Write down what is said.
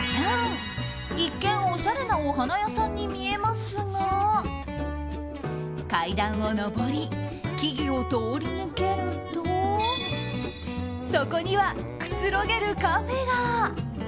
一見、おしゃれなお花屋さんに見えますが階段を上り、木々を通り抜けるとそこには、くつろげるカフェが。